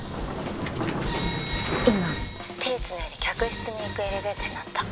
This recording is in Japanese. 「今手繋いで客室に行くエレベーターに乗った」